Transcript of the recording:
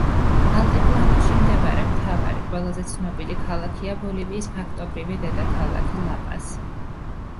ალტიპლანოში მდებარე მთავარი, ყველაზე ცნობილი ქალაქია ბოლივიის ფაქტობრივი დედაქალაქი ლა-პასი.